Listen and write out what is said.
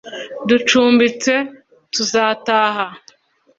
Ducumbitse tuzataha